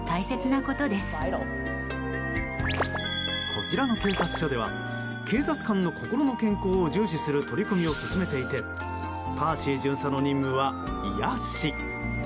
こちらの警察署では警察官の心の健康を重視する取り組みを進めていてパーシー巡査の任務は、癒やし。